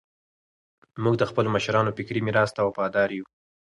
موږ د خپلو مشرانو فکري میراث ته وفادار یو.